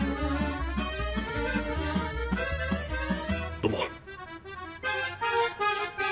どうも。